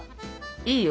いいよ。